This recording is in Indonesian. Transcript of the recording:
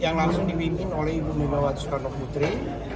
yang langsung dibimbing oleh ibu membawa tjuskano putri